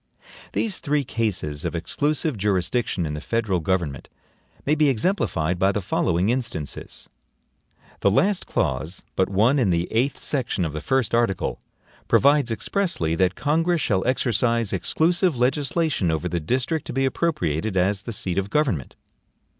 These three cases of exclusive jurisdiction in the federal government may be exemplified by the following instances: The last clause but one in the eighth section of the first article provides expressly that Congress shall exercise "EXCLUSIVE LEGISLATION" over the district to be appropriated as the seat of government.